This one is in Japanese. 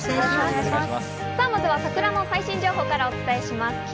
まずは桜の最新情報からお伝えします。